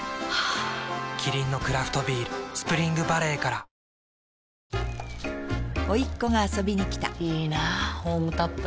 キリンのクラフトビール「スプリングバレー」から甥っ子が遊びにきたいいなホームタップ。